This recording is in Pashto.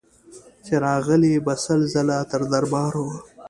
چي راغلې به سل ځله تر دربار وه